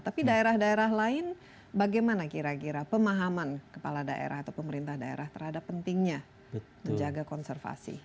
tapi daerah daerah lain bagaimana kira kira pemahaman kepala daerah atau pemerintah daerah terhadap pentingnya menjaga konservasi